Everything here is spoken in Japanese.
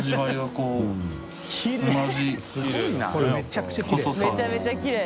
これめちゃくちゃきれい。